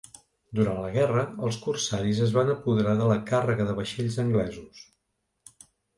Durant la guerra, els corsaris es van apoderar de la càrrega de vaixells anglesos.